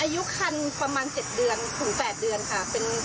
อายุคันประมาณ๗เดือนถึง๘เดือนค่ะ